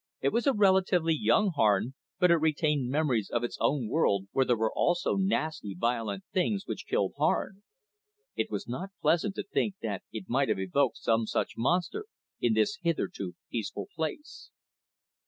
It was a relatively young Harn, but it retained memories of its own world, where there were also nasty, violent things which killed Harn. It was not pleasant to think that it might have evoked some such monster in this hitherto peaceful place.